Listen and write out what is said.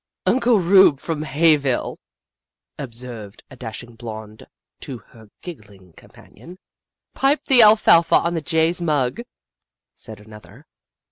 " Uncle Rube, from Hayville," observed a dashing blonde to her giggling companion. " Pipe the alfalfa on the jay's mug," said an other.